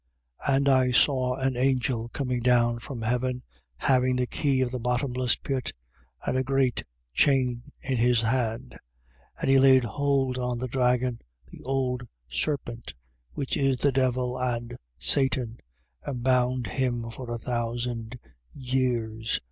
20:1. And I saw an angel coming down from heaven, having the key of the bottomless pit and a great chain in his hand. 20:2. And he laid hold on the dragon, the old serpent, which is the devil and Satan, and bound him for a thousand years.